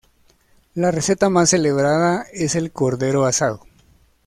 La receta más celebrada es el cordero asado.